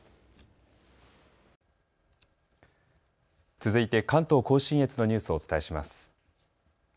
続いて関東甲信越のニュースをお伝えします。